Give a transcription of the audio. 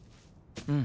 うん。